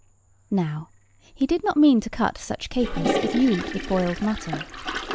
Now he did not mean to cut such capers as you eat with boiled mutton.